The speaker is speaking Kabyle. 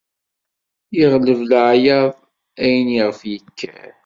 Iɣleb leɛyaḍ ayen iɣef yekker.